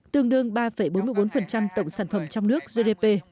tương đương ba bốn mươi bốn tổng sản phẩm trong nước gdp